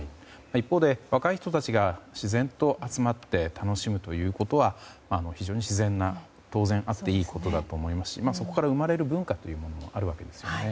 一方で若い人たちが自然と集まって楽しむことは非常に自然な、当然あっていいことだと思いますしそこから生まれる文化もあるわけですよね。